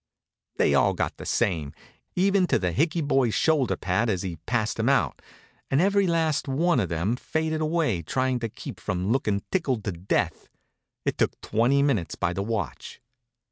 They all got the same, even to the Hickey boy shoulder pat as he passed 'em out, and every last one of 'em faded away trying to keep from lookin' tickled to death. It took twenty minutes by the watch.